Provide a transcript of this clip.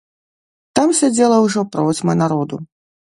Там сядзела ўжо процьма народу.